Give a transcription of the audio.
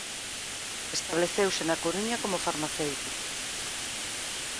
Estableceuse na Coruña como farmacéutico.